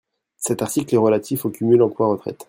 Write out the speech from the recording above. Cet article est relatif au cumul emploi-retraite.